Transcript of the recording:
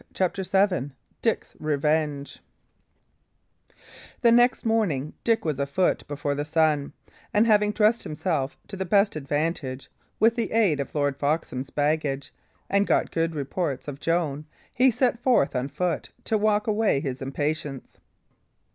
CHAPTER VII DICK'S REVENGE The next morning Dick was afoot before the sun, and having dressed himself to the best advantage with the aid of the Lord Foxham's baggage, and got good reports of Joan, he set forth on foot to walk away his impatience.